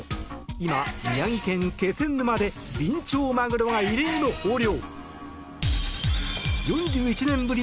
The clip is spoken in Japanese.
今、宮城県気仙沼でビンチョウマグロが異例の豊漁。